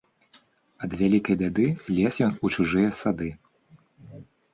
Ад вялікай бяды лез ён у чужыя сады.